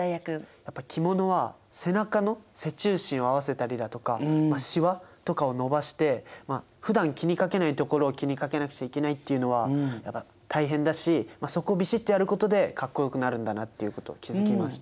やっぱ着物は背中の背中心を合わせたりだとかしわとかを伸ばしてふだん気にかけないところを気にかけなくちゃいけないっていうのはやっぱ大変だしそこをビシッとやることでかっこよくなるんだなっていうこと気付きました。